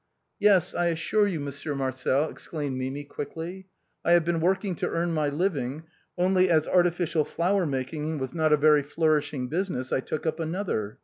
" Yes, I assure you. Monsieur Marcel," exclaimed Mimi, quickly ;" I have been working to earn my living, only as artificial flower making was not a very flourishing business I took up another.